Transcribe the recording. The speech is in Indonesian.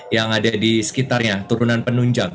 yang ada di sekitarnya turunan penunjang